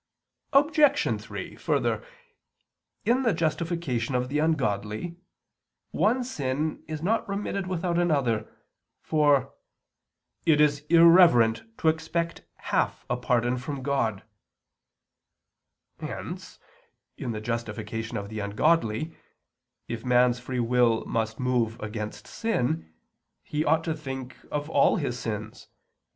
Obj. 3: Further, in the justification of the ungodly one sin is not remitted without another, for "it is irreverent to expect half a pardon from God" [*Cap., Sunt. plures: Dist. iii, De Poenit.]. Hence, in the justification of the ungodly, if man's free will must move against sin, he ought to think of all his sins.